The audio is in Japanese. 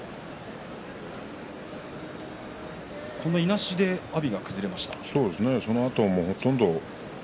いなしで阿炎が崩れましたね。